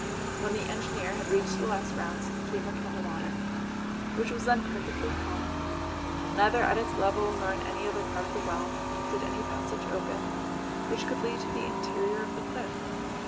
When the engineer had reached the last rounds he came upon the water, which was then perfectly calm. Neither at its level nor in any other part of the well, did any passage open which could lead to the interior of the cliff.